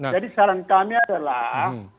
jadi saran kami adalah